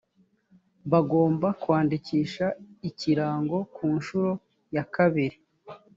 bagomba kwandikisha ikirango ku nshuro ya kabiri